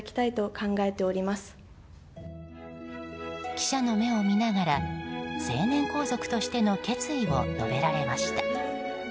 記者の目を見ながら成年皇族としての決意を述べられました。